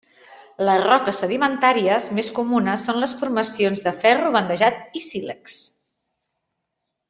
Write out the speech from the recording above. Les roques sedimentàries més comunes són les formacions de ferro bandejat i sílex.